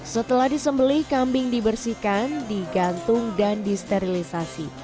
setelah disembelih kambing dibersihkan digantung dan disterilisasi